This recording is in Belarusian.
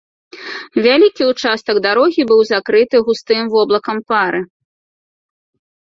Вялікі ўчастак дарогі быў закрыты густым воблакам пары.